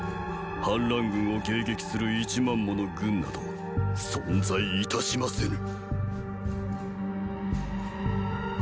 反乱軍を迎撃する一万もの軍など存在致しませぬ！